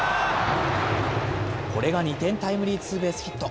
これが２点タイムリーツーベースヒット。